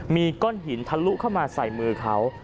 มีก้อนหินทะลุเข้ามาใส่มือเขา